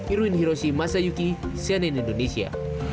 irwin hiroshi masayuki cnn indonesia